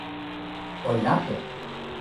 o lape!